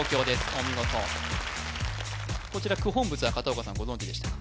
お見事こちら九品仏は片岡さんご存じでしたか？